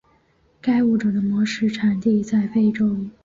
该物种的模式产地在欧洲。